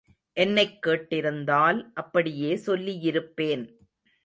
என்னைக் கேட்டிருந்தால் அப்படியே சொல்லியிருப்பேன்.